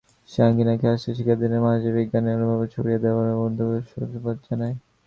সে আঙ্গিকে আজকে শিক্ষার্থীদের মাঝে বিজ্ঞানের অনুভবকে ছড়িয়ে দেওয়ার এমন উদ্যোগকে সাধুবাদ জানাই।